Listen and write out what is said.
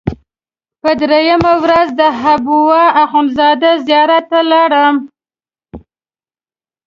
په درېیمه ورځ د حبوا اخندزاده زیارت ته لاړم.